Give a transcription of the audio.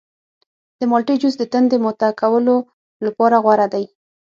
د مالټې جوس د تندې ماته کولو لپاره غوره دی.